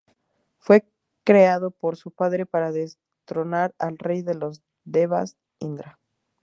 Fue creado por su padre para destronar al rey de los devas, Indra.